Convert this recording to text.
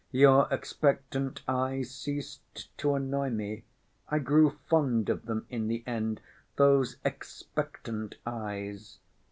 Your expectant eyes ceased to annoy me, I grew fond of them in the end, those expectant eyes.